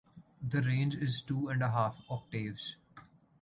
The range is two and a half octaves.